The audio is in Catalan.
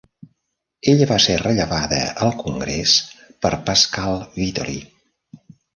Ella va ser rellevada al Congrés per Pascal Vittori.